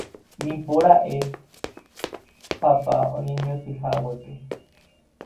nipora'e papa oñeñotỹhaguépe